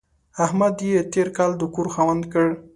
احمد يې تېر کال د کور خاوند کړ.